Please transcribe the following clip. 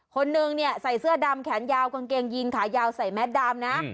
คนนึงเนี่ยใส่เสื้อดำแขนยาวกางเกงยีนขายาวใส่แมสดำนะ